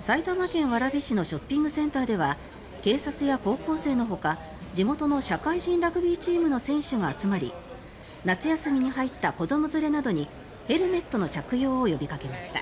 埼玉県蕨市のショッピングセンターでは警察や高校生のほか地元の社会人ラグビーチームの選手が集まり夏休みに入った子ども連れなどにヘルメットの着用を呼びかけました。